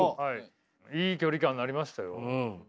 いい距離感なりましたよ。